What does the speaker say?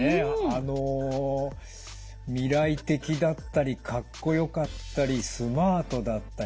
あの未来的だったりかっこよかったりスマートだったり本当すごいです。